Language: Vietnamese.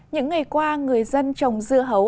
những ngày qua người dân trồng dưa hấu